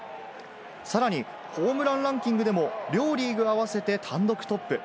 さらにホームランランキングでも両リーグ合わせて、単独トップ。